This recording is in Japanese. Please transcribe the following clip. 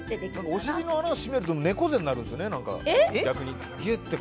お尻の穴を締めると猫背になるんですよね、逆に。